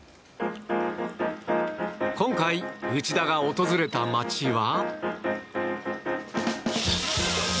今回、内田が訪れた街は。